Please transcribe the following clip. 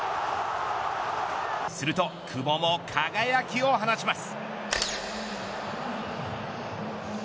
すると久保も輝きを放ちます。